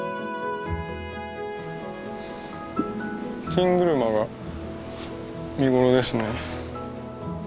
チングルマが見頃ですね。